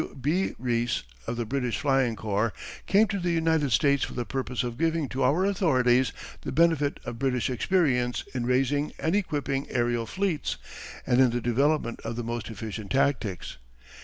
W. B. Rees, of the British Flying Corps, came to the United States for the purpose of giving to our authorities the benefit of British experience in raising and equipping aërial fleets and in the development of the most efficient tactics.